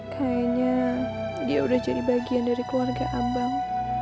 kayaknya dia udah jadi bagian dari keluarga ambang